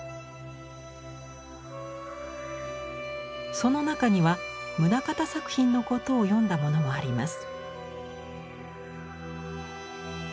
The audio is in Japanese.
その中には棟方作品のことを詠んだものもあります。